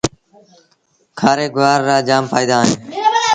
کآري گُوآر رآ با جآم ڦآئيٚدآ اوهيݩ۔